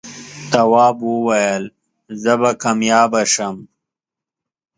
تواب وويل: زه به کامیابه شم.